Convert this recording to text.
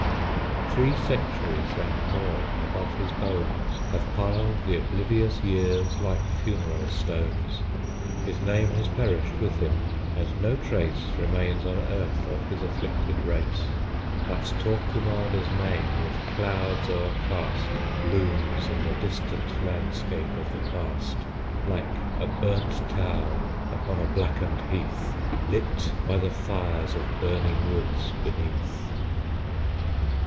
Three centuries and more above his bones Have piled the oblivious years like funeral stones; His name has perished with him, and no trace Remains on earth of his afflicted race; But Torquemada's name, with clouds o'ercast, Looms in the distant landscape of the Past, Like a burnt tower upon a blackened heath, Lit by the fires of burning woods beneath!